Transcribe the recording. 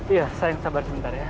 iya sayang sabar sebentar ya